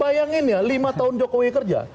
bayangin ya lima tahun jokowi kerja